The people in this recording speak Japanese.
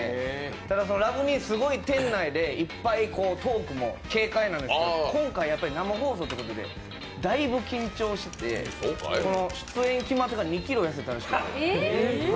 ただ、ラブニイ、すごい店内でトークも軽快なんですけど今回、生放送ということでだいぶ緊張してて、出演決まってから２ｋｇ痩せたらしいです。